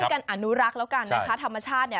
การอนุรักษ์แล้วกันนะคะธรรมชาติเนี่ย